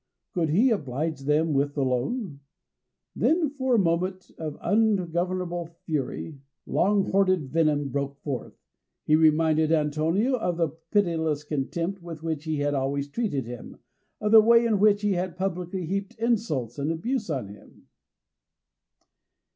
Could he oblige them with the loan? Then for a moment of ungovernable fury Shylock's long hoarded venom broke forth. He reminded Antonio of the pitiless contempt with which he had always treated him, of the way in which he had publicly heaped insults and abuse on him.